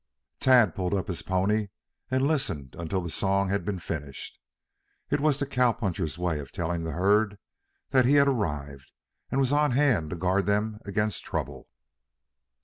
Tad pulled up his pony and listened until the song had been finished. It was the cowpuncher's way of telling the herd that he had arrived and was on hand to guard them against trouble.